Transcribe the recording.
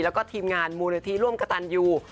แล้วก็ทีมงานมูลนิธิร่วมกระตันยู